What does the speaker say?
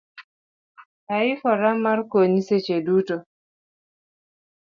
Aikora mar konyi seche duto.